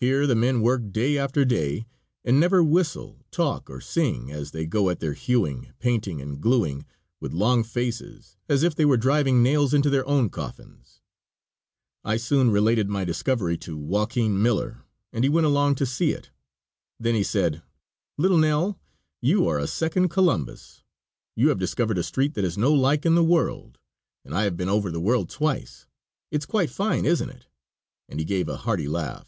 Here the men work day after day, and never whistle, talk, or sing, as they go at their hewing, painting and glueing, with long faces, as if they were driving nails into their own coffins. I soon related my discovery to Joaquin Miller, and he went along to see it. Then he said, "Little Nell, you are a second Columbus. You have discovered a street that has no like in the world, and I have been over the world twice. It's quite fine, isn't it?" and he gave a hearty laugh.